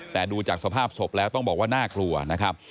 แต่ดูจากสภาพศพแล้วต้องบอกว่าน่ากลัวนะครับ